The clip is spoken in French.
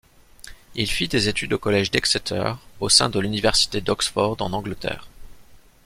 Il fit des études au Collège d'Exeter au sein de l'université d'Oxford en Angleterre.